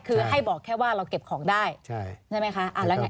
คือให้บอกแค่ว่าเราเก็บของได้ใช่ไหมคะ